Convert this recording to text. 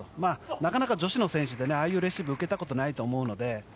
なかなか女子の選手ああいうレシーブ受けたことないと思うので。